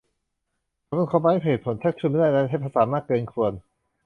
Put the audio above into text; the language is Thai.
เขาเป็นคนไร้เหตุผล ชักชวนไม่ได้ และใช้ภาษามากเกินควร